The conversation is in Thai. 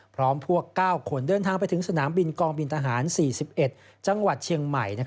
พร้อมพวก๙คนเดินทางไปถึงสนามบินกองบินทหาร๔๑จังหวัดเชียงใหม่